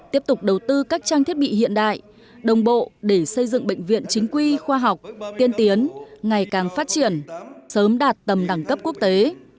tiếp tục đầu tư các trang thiết bị hiện đại đồng bộ để xây dựng bệnh viện chính quy khoa học tiên tiến ngày càng phát triển sớm đạt tầm đẳng cấp quốc tế